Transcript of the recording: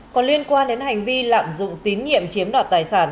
còn liên quan đến hành vi lạm dụng tín nhiệm chiếm đoạt tài sản